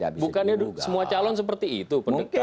bukannya semua calon seperti itu